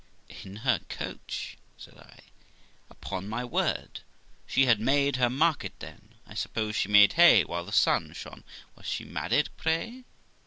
'In her coach!' said I; 'upon my word, she had made her market thenj^I suppose she made hay while the sun shone. Was she married, pray?'